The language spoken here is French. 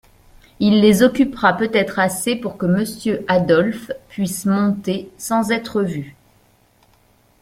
Il les occupera peut-être assez pour que Monsieur Adolphe puisse monter sans être vu.